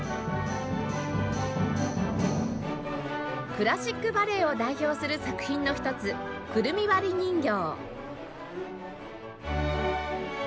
クラシックバレエを代表する作品の一つ『くるみ割り人形』